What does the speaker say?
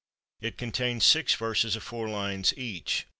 It contains six verses of four lines each.